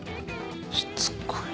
しつこい。